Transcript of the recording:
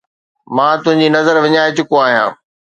مان تنهنجي نظر وڃائي چڪو آهيان